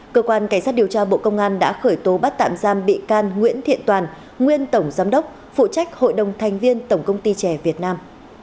cơ quan cảnh sát điều tra bộ công an đã khởi tố bắt tạm giam bị can nguyễn thiện toàn nguyên tổng giám đốc phụ trách hội đồng thành viên tổng công ty trẻ việt nam